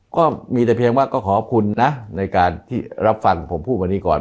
ก็มีแต่เพียงว่าก็ขอบคุณนะในการที่รับฟังผมพูดวันนี้ก่อน